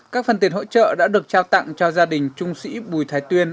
các phần tiền hỗ trợ đã được trao tặng cho gia đình trung sĩ bùi thái tuyên